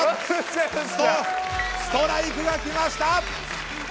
ストライクがきました！